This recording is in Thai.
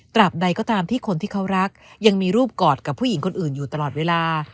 บใดก็ตามที่คนที่เขารักยังมีรูปกอดกับผู้หญิงคนอื่นอยู่ตลอดเวลา